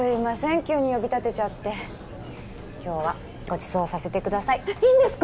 急に呼び立てちゃって今日はごちそうさせてくださいえっいいんですか？